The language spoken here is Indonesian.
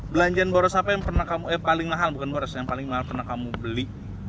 belanjaan boros apa yang pernah kamu eh paling mahal bukan boros yang paling mahal pernah kamu beli